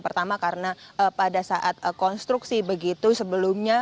pertama karena pada saat konstruksi begitu sebelumnya